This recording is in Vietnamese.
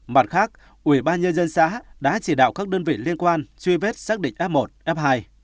mặt khác ubnd xã đã chỉ đạo các đơn vị liên quan truy vết xác định f một f hai